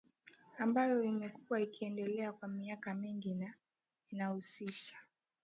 ambayo imekuwa ikiendelea kwa miaka mingi na inahusisha